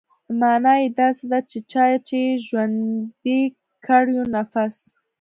مانا يې داسې ده چې چا چې ژوندى کړ يو نفس.